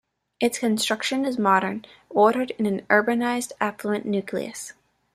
Its construction is modern, ordered in an urbanized affluent nucleus.